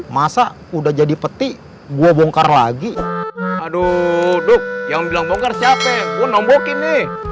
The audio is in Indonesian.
masa udah jadi peti gue bongkar lagi aduh duk yang bilang bongkar capek gue nombokin nih